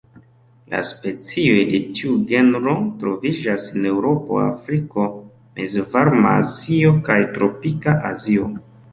La specioj de tiu genro troviĝas en Eŭropo, Afriko, mezvarma Azio kaj tropika Azio.